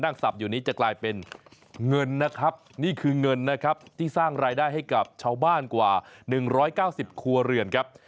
สับอยู่นี้จะกลายเป็นเงินนะครับนี่คือเงินนะครับที่สร้างรายได้ให้กับชาวบ้านกว่า๑๙๐ครัวเรือนครับ